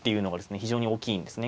非常に大きいんですね